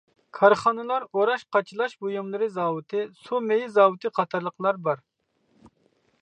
كارخانىلار ئوراش-قاچىلاش بۇيۇملىرى زاۋۇتى، سۇ مېيى زاۋۇتى قاتارلىقلار بار.